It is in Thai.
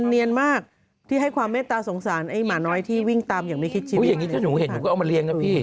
จริงต่อให้เกลียดสัตว์อย่างนี้ฉันก็เอามาเลี้ยง